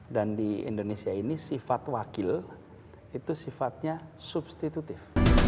dan di indonesia ini sifat wakil itu sifatnya substitutif